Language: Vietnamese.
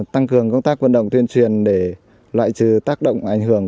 tăng cường công tác vận động tuyên truyền để loại trừ tác động ảnh hưởng